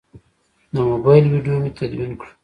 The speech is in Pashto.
د موبایل ویدیو مې تدوین کړه.